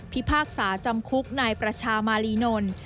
พิพากษาจำคลุกในประชามารีนล